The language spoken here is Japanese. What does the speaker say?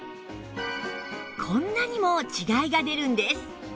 こんなにも違いが出るんです